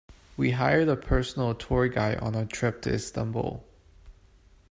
We hired a personal tour guide on our trip to Istanbul.